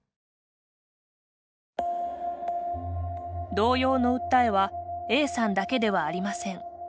同様の訴えはＡさんだけではありません。